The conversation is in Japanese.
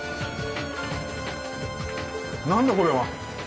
何だこれは？